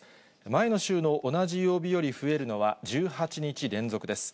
前の週の同じ曜日より増えるのは１８日連続です。